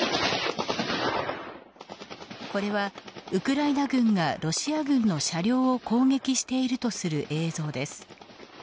これはウクライナ軍がロシア軍の車両を攻撃しているとする映像です。